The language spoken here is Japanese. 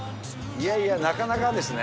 いやいや、なかなかですね。